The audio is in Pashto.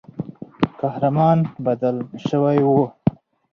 قهرمان بدل سوی وو.